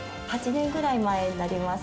８年前くらいになります。